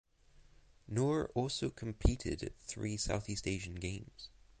Nur also competed at three South East Asian Games.